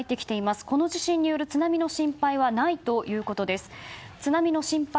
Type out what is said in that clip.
この地震による津波の心配はないということです。